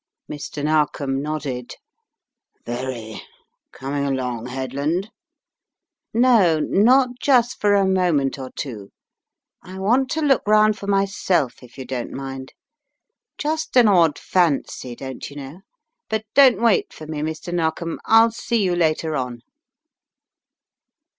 Mr. Narkom nodded. "Very. Coming along, Headland?" "No, not just for a moment or two, I want to look round for myself if you don't mind. Just an odd fancy, don't you know! But don't wait for me, Mr. Narkom. I'll see you later on."